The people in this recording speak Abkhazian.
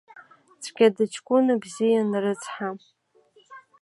Цәгьа дыҷкәына бзиан, рыцҳа!